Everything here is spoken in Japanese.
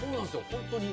本当に。